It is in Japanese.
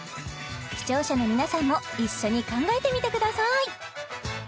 視聴者の皆さんも一緒に考えてみてください